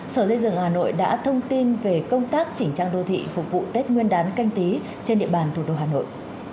sở dây dựng hà nội đã thông tin về công tác chỉnh trang đô thị phục vụ tết nguyên đán canh tí trên địa bàn thủ đô hà nội